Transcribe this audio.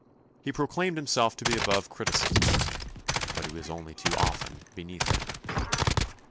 He proclaimed himself to be above criticism, but he was only too often beneath it.